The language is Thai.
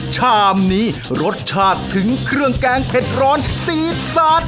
ชามนี้รสชาติถึงเครื่องแกงเผ็ดร้อนซีดซาด